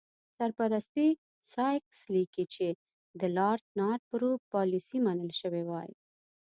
سر پرسي سایکس لیکي چې که د لارډ نارت بروک پالیسي منل شوې وای.